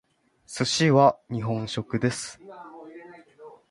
寿司は日本食です。